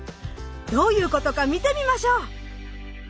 どういうことか見てみましょう！